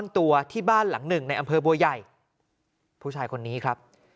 ตัวที่บ้านหลังหนึ่งในอำเภอบัวใหญ่ผู้ชายคนนี้ครับ